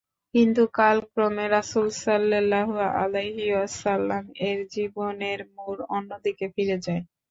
কিন্তু কালক্রমে রাসূল সাল্লাল্লাহু আলাইহি ওয়াসাল্লাম-এর জীবনের মোড় অন্যদিকে ফিরে যায়।